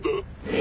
え！